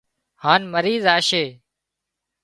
هانَ مرِي زاشي